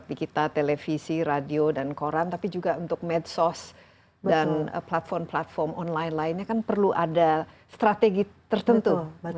jadi kita televisi radio dan koran tapi juga untuk medsos dan platform platform online lainnya kan perlu ada strategi tertentu